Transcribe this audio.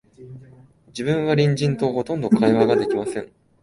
自分は隣人と、ほとんど会話が出来ません